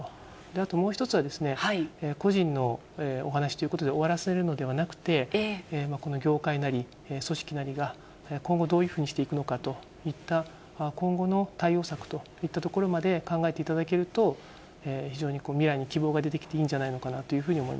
あともう一つは、個人のお話ということで終わらせるのではなくて、この業界なり、組織なりが、今後、どういうふうにしていくのかといった今後の対応策といったところまで考えていただけると、非常に未来に希望が出てきていいんじゃないのかなというふうに思